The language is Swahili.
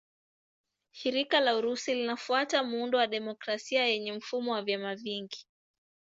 Shirikisho la Urusi linafuata muundo wa demokrasia yenye mfumo wa vyama vingi.